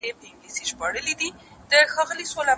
پورته سوی د بلال ږغ پر منبر دی